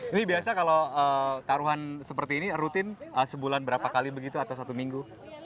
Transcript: ini biasa kalau taruhan seperti ini rutin sebulan berapa kali begitu atau satu minggu